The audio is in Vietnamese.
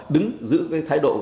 đứng giữ cái thái độ